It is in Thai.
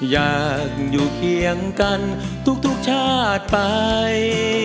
อยากอยู่เคียงกันทุกชาติไป